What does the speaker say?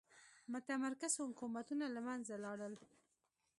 متمرکز حکومتونه له منځه لاړل.